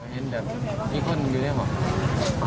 เห็นแบบมีคนอยู่นี่หรอ